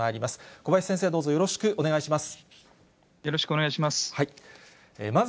小林先生、どうぞよろしくお願いいたします。